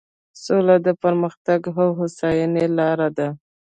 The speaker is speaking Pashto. سوله د پرمختګ او هوساینې لاره ده.